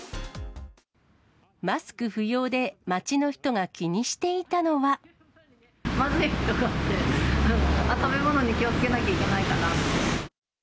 マスク不要で街の人が気にしまずい！とかって、食べ物に気をつけなきゃいけないかなって。